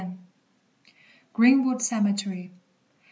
GREENWOOD CEMETERY.